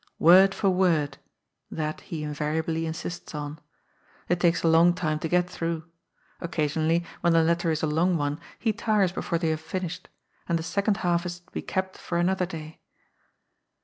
"Word for word"; that he inyariably insists on. It takes a long time to get through. Occa sionally, when the letter is a long one, he tires before they have finished. And the second half has to be kept for another day.